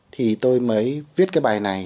thì tôi mới viết cái bài này